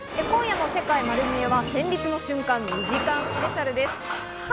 今夜の『世界まる見え！』は戦慄の瞬間２時間スペシャルです。